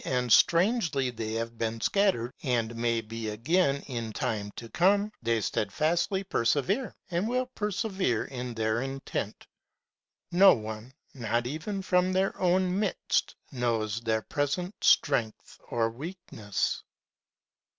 219 and strangely they have been scattered and may be again in time to come, — they steadfastly per severe and will persevere in their intent. No one, not even from their ovi^n midst, knows their present strength or weakness.